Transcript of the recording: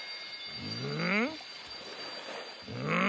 うん？